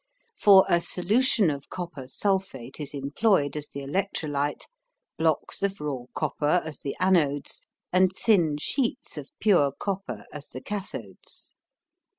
For a solution of copper sulphate is employed as the electrolyte, blocks of raw copper as the anodes, and thin sheets of pure copper as the cathodes.